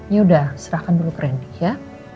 ya udah serahkan dulu ke randy ya